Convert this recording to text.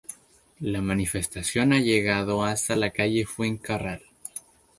La manifestación ha llegado hasta la calle Fuencarral